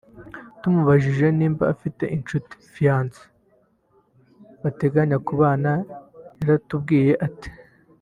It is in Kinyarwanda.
tumubajije niba afite inshuti (fiance) bateganya kubana yaratubwiye ati